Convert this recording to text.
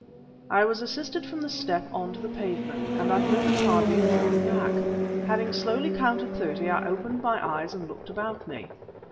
I was assisted from the step on to the pavement and I heard the car being driven back. Having slowly counted thirty I opened my eyes, and looked about me.